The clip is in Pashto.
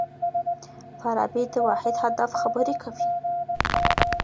فارابي د واحد هدف خبري کوي.